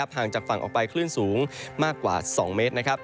ห่างจากฝั่งออกไปคลื่นสูงมากกว่า๒เมตรนะครับ